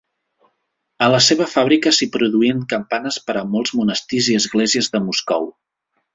A la seva fàbrica s'hi produïen campanes per a molts monestirs i esglésies de Moscou.